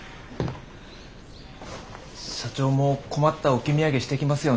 社長も困った置き土産していきますよね。